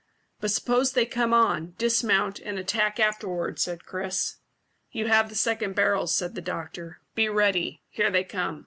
"But suppose they come on, dismount, and attack afterwards," said Chris. "You have the second barrels," said the doctor. "Be ready. Here they come."